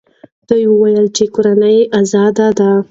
ده وویل چې کورنۍ یې ازاده ده.